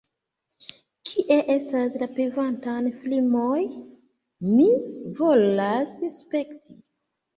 Kie estas la privataj filmoj? Mi volas spekti